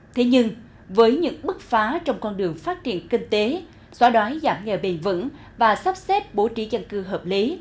thế nhưng với những bước phá trong con đường phát triển kinh tế xóa đói giảm nghèo bền vững và sắp xếp bố trí dân cư hợp lý